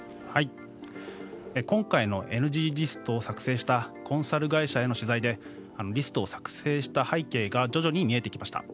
今回のＮＧリストを作成したコンサル会社への取材でリストを作成した背景が徐々に見えてきました。